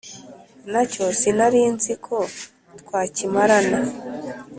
Nacyo sinarinzi ko twakimarana